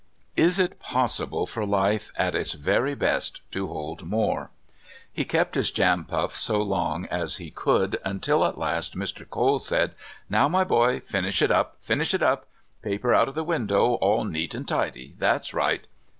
Is it possible for life at its very best to hold more? He kept his jam puff so long as he could, until at last Mr. Cole said: "Now, my boy! Finish it up finish it up. Paper out of the window all neat and tidy; that's right!"